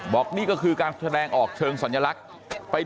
บอกนี่ก็คือการแสดงออกเชิงสัญลักษณ์